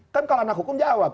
kan kalau anak hukum jawab